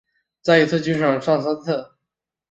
在一军上场三次。